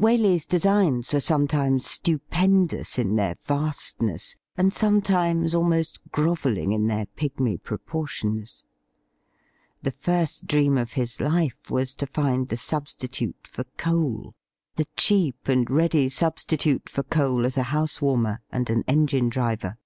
Waley 's designs were sometimes stupendous in their vast ness, and sometimes almost grovelling in their pigmy pro portions. The first dream of his life was to find the substitute for coal — the cheap and ready substitute for coal as a house warmer and an engine driver.